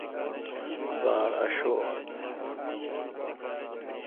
باڑاشوب۔